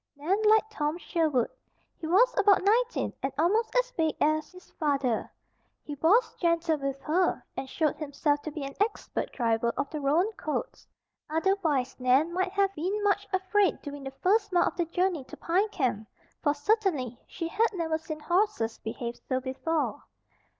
Nan liked tom Sherwood. He was about nineteen and almost as big as his father. He was gentle with her, and showed himself to be an expert driver of the roan colts. Otherwise Nan might have been much afraid during the first mile of the journey to Pine Camp, for certainly she had never seen horses behave so before.